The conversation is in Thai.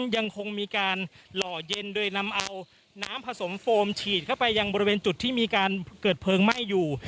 ยังคงมีการหล่อเย็นโดยนำเอาน้ำผสมโฟมฉีดเข้าไปยังบริเวณจุดที่มีการเกิดเพลิงไหม้อยู่